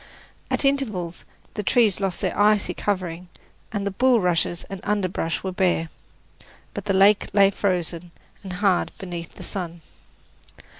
At intervals the trees lost their icy covering, and the bulrushes and underbrush were bare; but the lake lay frozen and hard beneath the sun.